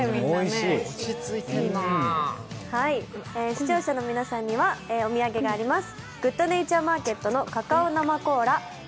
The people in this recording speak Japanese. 視聴者の皆さんにはお土産があります。